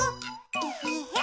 えへへ。